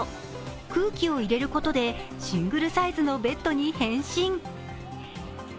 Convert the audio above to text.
空気を入れることでシングルサイズのベッドに変身。